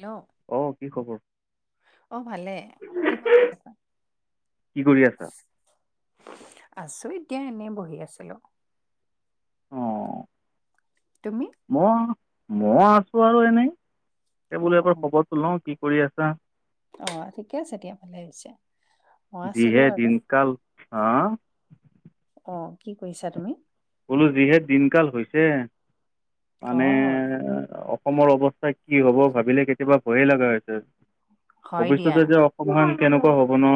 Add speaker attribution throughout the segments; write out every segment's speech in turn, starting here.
Speaker 1: Hello
Speaker 2: অ কি খবৰ?
Speaker 1: অ ভালে। তোমাৰ কেনেকুৱা?
Speaker 2: কি কৰি আছা
Speaker 1: আছোঁ এতিয়া এনেই বহি আছিলোঁ।
Speaker 2: অঁ
Speaker 1: তুমি?
Speaker 2: মই মই আছো আৰু এনেই, এই
Speaker 1: অ
Speaker 2: বোলে এবাৰ
Speaker 1: অ
Speaker 2: খবৰটো লওঁ কি কৰি আছা?
Speaker 1: অ ঠিকে আছেতিয়া ভালে হৈছে মই আছিলো
Speaker 2: যিহে
Speaker 1: আৰু।
Speaker 2: দিনকাল হা।
Speaker 1: অঁ কি কৰিছা তুমি?
Speaker 2: বোলো যিহেত দিনকাল হৈছে
Speaker 1: অ
Speaker 2: মানে অসমৰ অৱ স্থা কি হব ভাবিলে কেতিয়াবা ভয়ে লগা হৈছে,
Speaker 1: হয় দিয়া
Speaker 2: ভৱিষ্যতে যে অ অভান কেনেকুৱা হ'ব ন।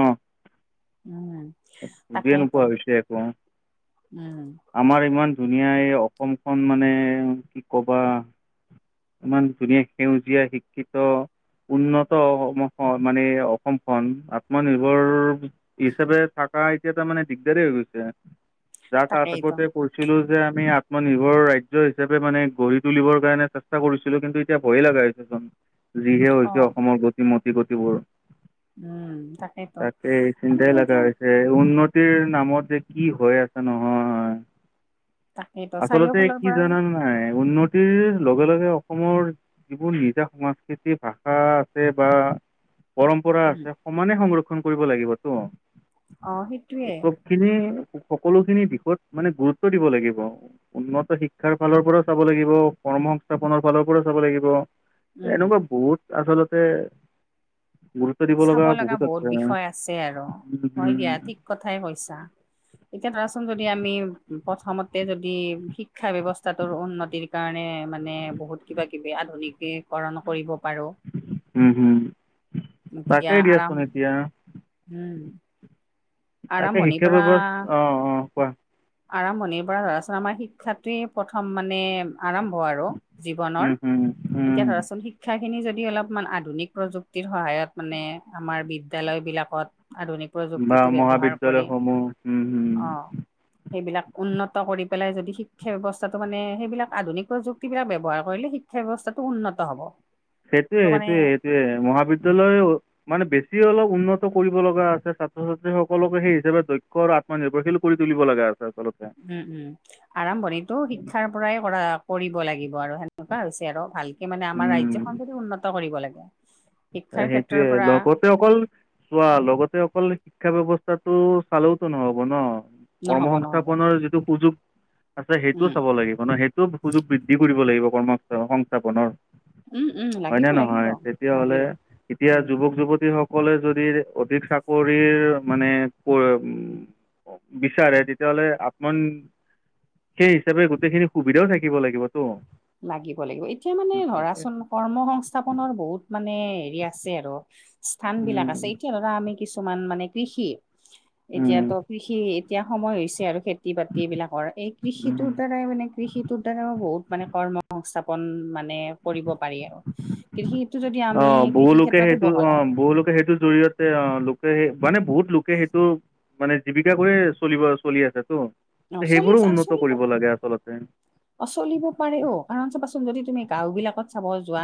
Speaker 1: উম
Speaker 2: বুজিয়ে
Speaker 1: তাকেইটো
Speaker 2: নোপোৱা হৈছে একো
Speaker 1: উম।
Speaker 2: আমাৰ ইমান ধুনীয়া এই অসমখন মানে কি ক'বা ইমান ধুনীয়া সেউজীয়া শিক্ষিত। উন্নত অসম মানে অসমখন আত্মনিৰ্ভৰ হিচাপে থাকা এতিয়া তাৰ মানে দিগদাৰ হৈ গৈছে, যাৰ তাত
Speaker 1: তাকেইতো
Speaker 2: কৰিছিলো যে আমি আত্মনিৰ্ভৰ ৰাজ্য হিচাপে মানে গঢ়ি তুলিবৰ কাৰণে চেষ্টা কৰিছিলো কিন্তু এতিয়া ভয় লগা হৈছেচোন যিহে
Speaker 1: অ
Speaker 2: হৈছে অসমৰ গতি - মতি গতিবোৰ।
Speaker 1: উম তাকেইেতো মানে এতিয়া
Speaker 2: এ উন্নতিৰ নামত যে কি হৈ আছে নহয়।
Speaker 1: তাকেইতো
Speaker 2: আচলতে
Speaker 1: চাৰিওফালৰ
Speaker 2: কি
Speaker 1: পৰা
Speaker 2: জনা নাই উন্নতিৰ লগে লগে অসমৰ যিবোৰ নিজা সংস্কৃতি, ভাষা আছে বা পৰম্পৰা
Speaker 1: উম
Speaker 2: আছে সমানে সংৰক্ষণ কৰিব লাগিবতো।
Speaker 1: অ সিটোয়ে।
Speaker 2: খিনি সকলোখিনি দিশত মানে গুৰুত্ব দিব লাগিব। উন্নত শিক্ষাৰ ফালৰ পৰা চাব লাগিব, কৰ্ম সংস্থাপনৰ ফালৰ পৰা চাব লাগিব।
Speaker 1: উম
Speaker 2: এনেকুৱা বহুত আচলতে গুৰুত ত দিব
Speaker 1: চাব
Speaker 2: লগা বহুত আছে
Speaker 1: বিষয় আছে আৰু
Speaker 2: উম
Speaker 1: হয় দিয়া
Speaker 2: উম।
Speaker 1: ঠিক কথাই কৈছা। এতিয়া ধৰাচোন যদি আমি প্ৰথমতে যদি শিক্ষা ব্যৱস্থাটোৰ উন্নতিৰ সেইকাৰণে মানে, বহুত কিবা কিবি আধুনিকীকৰণ কৰিব পাৰোঁ।
Speaker 2: উম! উম!
Speaker 1: এতিয়া
Speaker 2: তাকেই,
Speaker 1: আৰাম
Speaker 2: দিয়াচোন এতিয়া।
Speaker 1: উম!
Speaker 2: তাকে,
Speaker 1: আৰম্ভণিৰ
Speaker 2: শিক্ষা
Speaker 1: পৰা
Speaker 2: ব্যৱ অ' অ'! কোৱা?
Speaker 1: আৰম্ভণিৰ পৰা, আচল আমাৰ, শিক্ষাটোৱে প্ৰথম মানে, আৰম্ভ আৰু।
Speaker 2: উম,
Speaker 1: জীৱনৰ।
Speaker 2: হুম,
Speaker 1: এতিয়া,
Speaker 2: উম।
Speaker 1: ধৰাচোন শিক শিক্ষাখিনি, যদি অলপমান আধুনিক প্ৰযুক্তিৰ সহায়ত মানে, আমাৰ বি বিদ্যালয় বিলাকত আধুনিক
Speaker 2: বা
Speaker 1: প্ৰযুক্তিটো ব্যৱহাৰ কৰি
Speaker 2: মহাবিদ্যয়ালয়সমূহ। উম! উম!
Speaker 1: অ সেইবিলাক, উন্নত কৰি পেলাই যদি, শিক্ষা ব্যৱস্থাটো মানে, সেইবিলাক আধুনিক প্ৰযুক্তিবিলাক ব্যৱহাৰ কৰিলে, শিক্ষা শিক্ষা ব্যৱস্থাটো উন্নত হ'ব।
Speaker 2: সেইটোৱে,
Speaker 1: ত' মানে
Speaker 2: সেইটোৱে, সেইটোৱে। মহাবিদ্যয়ালয় মানে, বেছি অলপ উন্নত কৰিব লগা আছে। ছাত্ৰ- ছাত্ৰীসকলকে, সেই হিচাপে দক্ষৰ মান নিৰ্ভৰশিলো কৰি তুলিব লগে, আচ আচলতে।
Speaker 1: উম! উম! আৰম্ভণিটো শিক্ষাৰ কৰাই কৰা, কৰিব লাগিব আৰু সেনেকুৱা হৈছে আৰু। ভালকে মানে, আমাৰ ৰাজ
Speaker 2: উম
Speaker 1: [unintelligible] যদি উন্নত কৰিব লাগে। শিক্ষাৰ
Speaker 2: সেইটোৱে
Speaker 1: ক্ষেত্ৰৰ পৰা
Speaker 2: লগতে অকল, চোৱা লগতে, অকল শিক্ষা ব্যৱস্থাটো চালেওতো নহ'ব ন'! কৰ্ম
Speaker 1: নহ'ব নহ'ব
Speaker 2: সংস্থাপনৰ যিটো সুযোগ, আছে। সেইটোও
Speaker 1: উম
Speaker 2: চাব লাগিব ন'। সেই টো সুযোগ বৃদ্ধি কৰিব লাগিব, কৰ্ম সংস্থাপনৰ।
Speaker 1: উম, উম!
Speaker 2: হয়নে
Speaker 1: লাগিব, লাগিব।
Speaker 2: নহয় তেতিয়াহ'লে,
Speaker 1: লাগিব
Speaker 2: এতিয়া
Speaker 1: উম
Speaker 2: যুৱক - যুৱতী সকলে, যদি অধিক চাকৰিৰ মানে, [unintelligible] বিচাৰে। তেতিয়াহ'লে [unintelligible] সেই, হিচাপে গোটেইখিনি সুবিধাও থাকিব লাগিবতো।
Speaker 1: লাগিব, লাগিব। এতিয়া মানে, ধৰাচোন কৰ্ম সংস্থাপনৰ বহুত মানে, হেৰি আছে আৰু স্থান বিলাক আছে। এতিয়া আৰু আমি কিছুমান মানে, কৃষি এতিয়াতো, কৃষি এতিয়া সময় হৈছে আৰু খেতি- বাতি এইবিলাকৰ। এই, কৃষিটোৰ দ্বাৰাই মানে, কৃষিটোৰ দ্বাৰাও বহুত মানে, কৰ্ম সংস্থাপন মানে, কৰিব পাৰি আৰু। কৃষি যদি আমি
Speaker 2: অ'! বহুলোকে,
Speaker 1: ক্ষেত্ৰতো
Speaker 2: সেইটো
Speaker 1: বহলাই
Speaker 2: অ'! বহুলোকে, সেইটোৰ জৰিয়তে, অ'! লোকে, সেই মানে বহুত লোকে সেইটো মানে, জীৱিকা কৰিয়ে চলিব, চলি আছেতো।
Speaker 1: অ চলি
Speaker 2: সেইবোৰো
Speaker 1: আছে আৰু
Speaker 2: উন্নত
Speaker 1: চলিব
Speaker 2: কৰিব লাগে, আচলতে।
Speaker 1: অ'! চলিব পাৰে, অ'! কাৰণ, চাবাচোন যদি তুমি, গাওঁ বিলাকত চাব যোৱা।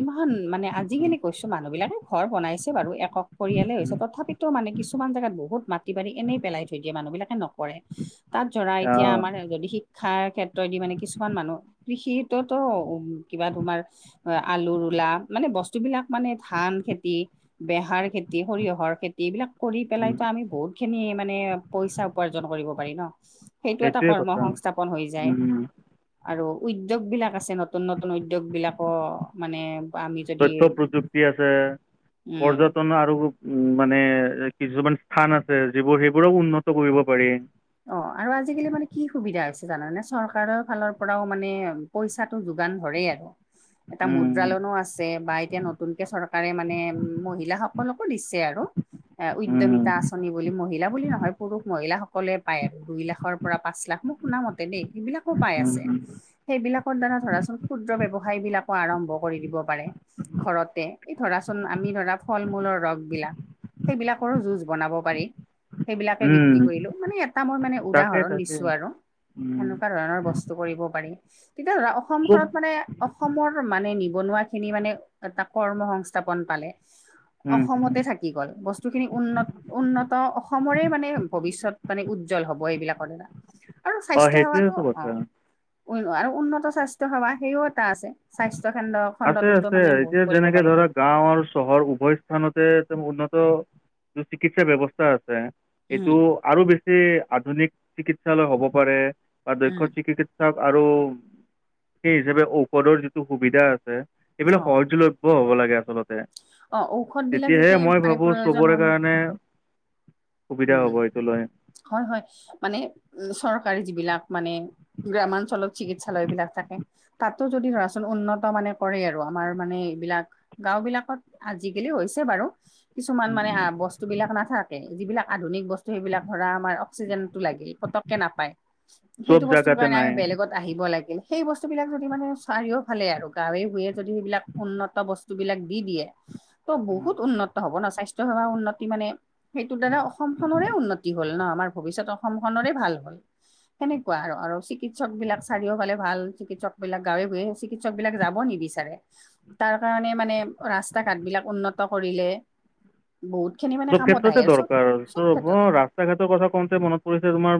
Speaker 1: ইমান মানে, আজিকালি কৈছোঁ! মানুহ বিলাকে ঘৰ বনাইছে বাৰু। [unintelligible] পৰিয়ালে হৈছে। তথাপিতো মানে, কিছুমান জেগাত বহুত মাটি-বাৰী এনেই পেলাই থৈ দিয়ে। মানুহ বিলাকে নকৰে। তাত ধৰা, এতিয়া
Speaker 2: অঁ
Speaker 1: আমাৰ, যদি শিক্ষাৰ ক্ষেত্ৰত তই দি মানে, কিছুমান মানুহ কৃষটোতো, উম! কিবা তোমাৰ অ'! আলু ৰোলা, মানে বস্তু বিলাক মানে, ধান খেতি, বেহাৰ খেতি, সৰিয়হৰ খেতি, এইবিলাক কৰি পেলাইতো, আমি বহুত খিনি মানে, পইচা উপাৰ্জন কৰিব পাৰি ন'। সেইটো, এটা
Speaker 2: সেইটোৱে
Speaker 1: কৰ্ম
Speaker 2: কথা
Speaker 1: সংস্থাপন হৈ যায়।
Speaker 2: উম।
Speaker 1: আৰু উদ্যোগ বিলাক আছে। নতুন-নতুন উদ্যোগ বিলাকো মানে। আমি যদি
Speaker 2: তথ্য প্ৰযুক্তি আছে।
Speaker 1: উম
Speaker 2: পৰ্যটন আৰু মানে, কিছুমান স্থান আছে। যিবোৰ, সেইবোৰক উন্নত কৰিব পাৰি।
Speaker 1: অ'! আৰু আজিকালি মানে, কি সুবিধা হৈছে জানানে? চৰকাৰৰ ফালৰ পৰাওঁ মানে পইচাটো যোগান ধৰেই আৰু। এটা মুদ্ৰা‌
Speaker 2: উম,
Speaker 1: লোণো আছে। বা এতিয়া, নতুন নতুনকে, চৰকাৰে মান, মহিলাসকলকো দিছে আৰু। এ, উদ্যমিতা
Speaker 2: উম,
Speaker 1: আঁচনি বুলি, মহিলা বুলি নহয়, পুৰুষ মহিলাসকলে পায় আৰু দুই লাখৰ পৰা, পাঁচ লাখ। মোক শুনা মতে দেই, এইবিলাকো পাই আছে।
Speaker 2: উম,
Speaker 1: সেইবিলাকৰ দ্বাৰা ধৰাচোন ক্ষুদ্ৰ ব্যৱসায় বিলাকো আৰম্ভ কৰি দিব পাৰে। ঘৰতে এই ধৰাচোন আমি ধৰা ফল মূলৰ ৰস বিলাক। সেইবিলাকৰো যুজ বনাব পাৰি সেইবিলাকে বিক্ৰী
Speaker 2: উম,
Speaker 1: কৰিলো মানে ই মই মানে
Speaker 2: তাকে
Speaker 1: উদাহৰণ
Speaker 2: তাকে
Speaker 1: দিছোঁ আৰু
Speaker 2: উম,
Speaker 1: সেনেকুৱা ধৰণৰ বস্তু, কৰিব পাৰি। তেতিয়া ধৰা
Speaker 2: চব
Speaker 1: অসমখনত মানে। অসমৰ মানে নিবনুৱা খিনি মানে এটা কৰ্ম সংস্থাপন পালে। অসমতে থাকি গ'ল বস্তুখিনি উন্নত উন্নত অসমৰে মানে ভৱিষ্যত মানে উ উজ্জ্বল হব এইবিলাকৰ দ্বাৰা আৰু
Speaker 2: অঁ
Speaker 1: স্বাস্থ্য সেৱাটো
Speaker 2: সেইটোৱেতো
Speaker 1: অ,
Speaker 2: কথা
Speaker 1: উ আৰু উন্নত স্বাস্থ্য সেৱা সেইও এটা আছে। স্বাস্থ্য খন্দ্ৰ
Speaker 2: আছে
Speaker 1: খণ্ডটোতো
Speaker 2: আছে
Speaker 1: মানে বহুত
Speaker 2: এতিয়া
Speaker 1: কৰিব
Speaker 2: যেনেকৈ
Speaker 1: পাৰি।
Speaker 2: ধৰা গাঁও আৰু চহৰ উভয় স্থানতে উন্নত চিকিৎসা ব্যৱস্থা আছে। এইটো
Speaker 1: উম
Speaker 2: আৰু বেছি আধুনিক চিকিৎসালয় হব পাৰে বা দক্ষ
Speaker 1: উম
Speaker 2: চিকিৎ ধৰক আৰু সেই হিচাপে ঔষধৰ যিটো সুবিধা আছে এইবিলাক
Speaker 1: অ'
Speaker 2: সহজ হ'ব লাগে আচলতে
Speaker 1: অ' ঔষধ বিলাক
Speaker 2: তেতিয়াহে
Speaker 1: যাতে
Speaker 2: মই
Speaker 1: মানে
Speaker 2: ভাবো
Speaker 1: প্ৰয়োজন
Speaker 2: চবৰে
Speaker 1: অনু
Speaker 2: কাৰণে। সুবিধা
Speaker 1: উম
Speaker 2: হ'ব এইটো লৈ।
Speaker 1: হয় হয়। মানে উম, চৰকাৰী যিবিলাক মানে গ্ৰামাঞ্চলৰ চিকিৎসালয় বিলাক থাকে। তাতো যদি ধৰাচোন উন্নত মানে কৰে আৰু আমাৰ মানে এইবিলাক। গাঁও বিলাকত আজিকালি হৈছে বাৰু কিছুমান মানে বস্তুবিলাক নাথাকে যিবিলাক আধুনিক বস্তু সেইবিলাক ধৰা আমাৰ অক্সিজেন, লাগে পতকে নাপায়
Speaker 2: চব
Speaker 1: সেইটো বস্ত
Speaker 2: জাগাতে
Speaker 1: কাৰণে
Speaker 2: নাই
Speaker 1: বেলেগত, আহিব লাগিল সেই বস্তুবিলাক যদি মানে চাৰিওফালে আৰু গাঁৱে ভূঞে যদি সেইবিলাক উন্নত বস্তু বিলাক দি দিয়ে।
Speaker 2: [inaudible]
Speaker 1: ত বহুত উন্নত হ'ব ন, স্বাস্থ্য সেৱা উন্নতি মানে সেইটো দ্বাৰা অসম খনৰে উন্নতি হ'ল ন, আমাৰ ভৱিষ্যত অসম খনৰে ভাল হ'ল। সেনেকুৱা আৰু আৰু চিকিৎসক বিলাক চাৰিওফালে ভাল চিকিৎসক বিলাক গাঁৱে বুৱে- চিকিৎসক বিলাকে যাব নিবিচাৰে। তাৰ কাৰণে মানে ৰাস্তা ঘাট বিলাক উন্নত কৰিলে। বহুত খিনি মানে
Speaker 2: চব
Speaker 1: কামত
Speaker 2: ক্ষেত্ৰতে
Speaker 1: আহে চ,
Speaker 2: [unintelligible] ৰাস্তা ঘাটৰ কথা কওঁতে মনত পৰিছে তোমাৰ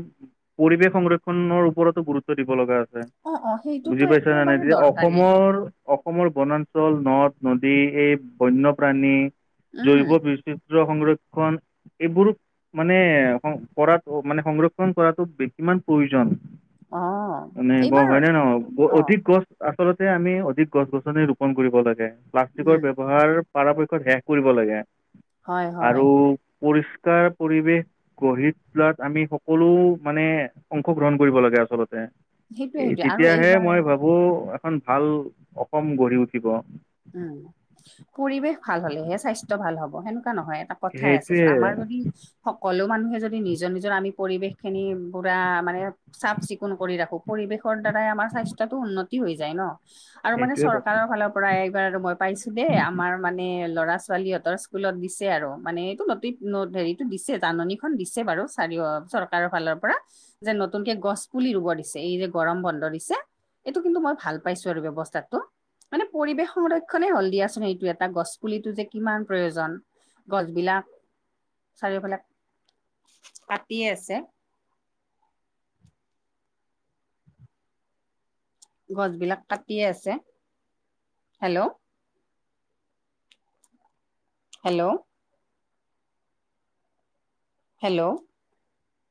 Speaker 2: পৰিৱেশ সংৰক্ষণৰ ওপৰতো গুৰুত্ব দিব লগা আছে।
Speaker 1: অ অ সেইটোতো
Speaker 2: বুজি পাইছে নে নাই
Speaker 1: একেবাৰে
Speaker 2: এতিয়া
Speaker 1: দৰকাৰীয়ে
Speaker 2: অসমৰ অসমৰ বনাঞ্চল নদ-নদী এই বন্যপ্ৰাণী
Speaker 1: উম
Speaker 2: জৈৱ বি [unintelligible] সংৰক্ষণ এইবোৰ মানে কৰাত মানে সংৰক্ষণ কৰাতো কিমান প্ৰয়োজন।
Speaker 1: অ',
Speaker 2: মানে
Speaker 1: এইবাৰ
Speaker 2: [unintelligible] হয়নে নে নহয়,
Speaker 1: অ',
Speaker 2: অধিক গছ- আচলতে আমি অধিক গছ-গছনি ৰোপন কৰিব লাগে, প্লাষ্টিকৰ
Speaker 1: উম,
Speaker 2: ব্যৱহাৰ পৰাপক্ষত শেষ কৰিব লাগে
Speaker 1: হয়, হয়।
Speaker 2: আৰু পৰিষ্কাৰ পৰিৱেশ, গঢ়ি তোলাত আমি সকলো মানে অংশগ্ৰহণ কৰিব লাগে আচলতে।
Speaker 1: সেইটোৱে,
Speaker 2: এ
Speaker 1: সেইটোৱে আৰু
Speaker 2: তেতিয়াহে
Speaker 1: এইবাৰ
Speaker 2: মই ভাবো এখন ভাল অসম গঢ়ি উঠিব।
Speaker 1: উম, পৰিৱেশ ভাল হলেহে স্বাস্থ্য ভাল হ'ব সেনেকুৱা নহয় এটা কথাই আছে
Speaker 2: সেইটোৱে
Speaker 1: চোন, আমাৰ যদি- সকলো মানুহে যদি নিজৰ নিজৰ আমি পৰিৱেশ খিনি পুৰা মানে, চাফ চিকুণ কৰি ৰাখো পৰিৱেশৰ দ্বাৰাই আমাৰ স্বাস্থ্যটো উন্নতি হৈ যায় ন। আৰু মানে
Speaker 2: সেইটোৱে কথা
Speaker 1: চৰকাৰৰ ফালৰ পৰা এক, বাৰ মই পাইছো দেই, আমাৰ মানে ল'ৰা ছোৱালী সতৰ স্কুলত দিছে আৰু মানে এইটো নটিচ নত হেৰিতটো দিছে জাননীখন দিছে বাৰু চাৰিও চৰকাৰৰ ফালৰ পৰা। যে নতুনকে গছ পুলি ৰুব দিছে, এই যে গৰম বন্ধ দিছে। এইটো কিন্তু মই ভাল পাইছো আৰু ব্যৱস্থাটো মানে পৰিৱেশ, সংৰক্ষনেই হ'ল দিয়াচোন এইটো এটা গছ পুলিটো যে কিমান প্ৰয়োজন। গছবিলাক- চাৰিওফালে কাটিয়ে আছে। গছবিলাক কাটিয়ে আছে, হেল্ল', হেল্ল' হেল্ল'